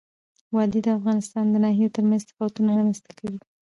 وادي د افغانستان د ناحیو ترمنځ تفاوتونه رامنځ ته کوي.